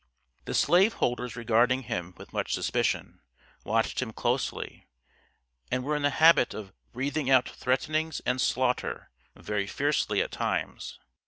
The slave holders regarding him with much suspicion, watched him closely, and were in the habit of "breathing out threatenings and slaughter" very fiercely at times.